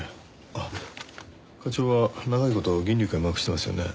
あっ課長は長い事銀龍会マークしてますよね？